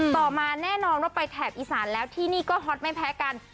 ต่อมาแน่นอนว่าไปแถบอีสานแล้วที่นี่ก็ฮอตไม่แพ้กัน